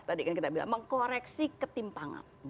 tadi kan kita bilang mengkoreksi ketimpangan